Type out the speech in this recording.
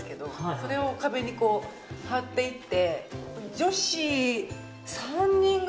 それを壁に貼っていって。